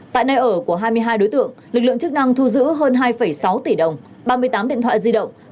tại nơi ở của hai mươi hai đối tượng lực lượng chức năng thu giữ hơn hai sáu tỷ đồng ba mươi tám điện thoại di động